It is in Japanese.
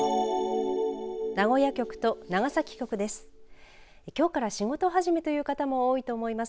名古屋局と長崎局です。